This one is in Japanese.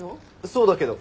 そうだけど。